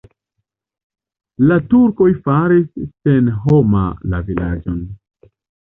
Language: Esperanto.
La turkoj faris senhoma la vilaĝon.